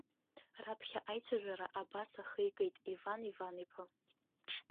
Раԥхьа аицәажәара, абас ахы икит, Иван Иван-иԥа.